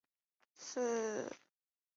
积分变数一般会布朗运动。